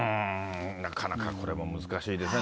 なかなかこれも難しいですね。